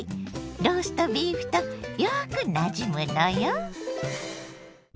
ローストビーフとよくなじむのよ。